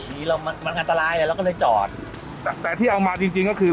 มีเรามันอันตรายเราก็เลยจอดแต่แต่ที่เอามาจริงจริงก็คือ